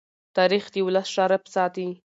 تاریخ د ولس شرف ساتي.